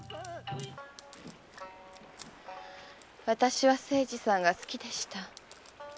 私は清次さんが好きでした。